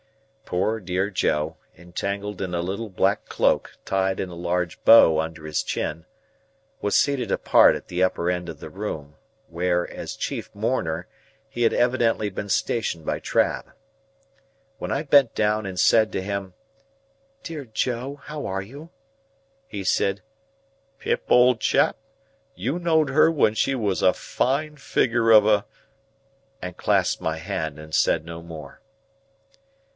Poor dear Joe, entangled in a little black cloak tied in a large bow under his chin, was seated apart at the upper end of the room; where, as chief mourner, he had evidently been stationed by Trabb. When I bent down and said to him, "Dear Joe, how are you?" he said, "Pip, old chap, you knowed her when she were a fine figure of a—" and clasped my hand and said no more.